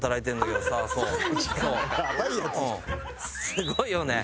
すごいよね。